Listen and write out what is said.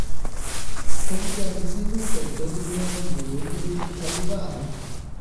د مجاهدینو د ډلو نه نیولې تر طالبانو